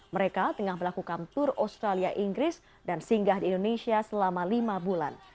mereka tengah melakukan tour australia inggris dan singgah di indonesia selama lima bulan